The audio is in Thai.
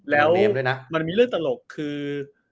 แล้วมันมีเรื่องตลกคือ